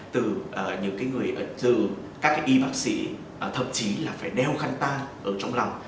từ những người bệnh từ các y bác sĩ thậm chí là phải đeo khăn ta ở trong lòng